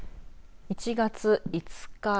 １月５日